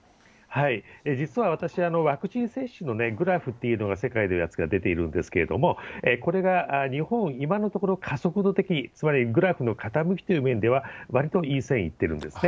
実は私は、ワクチン接種のグラフというのが、世界のやつが出ているんですけれども、これが日本、今のところ加速度的、つまりグラフの傾きという面では、わりといい線いってるんですね。